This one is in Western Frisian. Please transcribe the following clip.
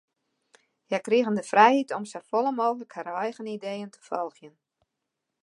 Hja krigen de frijheid om safolle mooglik har eigen ideeën te folgjen.